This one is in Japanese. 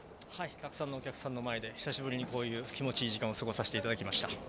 たくさんのお客さんの前で久しぶりに気持ちいい時間を過ごさせていただきました。